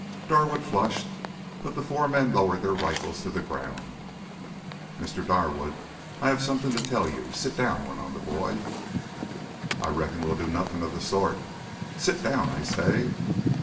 Darwood flushed, but the four men lowered their rifles to the ground. "Mr. Darwood, I have something to tell you. Sit down," went on the boy. "I reckon we'll do nothing of the sort." "Sit down, I say!"